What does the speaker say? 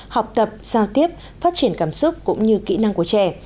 học tập giao tiếp phát triển cảm xúc cũng như kỹ năng của trẻ